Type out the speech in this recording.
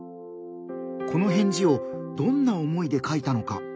この返事をどんな思いで書いたのか？